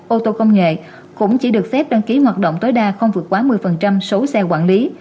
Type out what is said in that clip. ô tô công nghệ cũng chỉ được phép đăng ký hoạt động tối đa không vượt quá một mươi số xe quản lý